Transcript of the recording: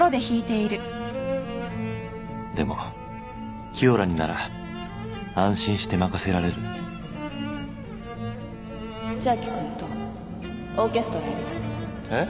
でも清良になら安心して任せられる千秋君とオーケストラやりえっ？